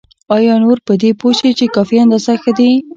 او نور په دې پوه شي چې کافي اندازه ښه دي.